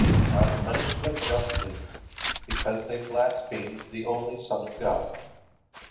God punished them justly, because they blasphemed the only Son of God.